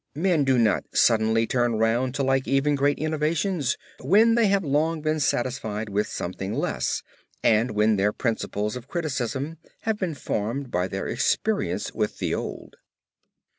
Men do not suddenly turn round to like even great innovations, when they have long been satisfied with something less and when their principles of criticism have been formed by their experience with the old.